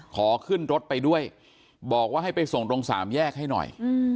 ขอขึ้นรถไปด้วยบอกว่าให้ไปส่งตรงสามแยกให้หน่อย